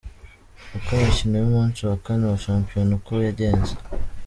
Uko mikino y’umunsi wa kane wa shampiyona uko yagenze:.